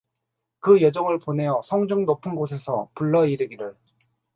그 여종을 보내어 성중 높은 곳에서 불러 이르기를